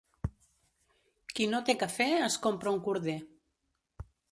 Qui no té quefer es compra un corder.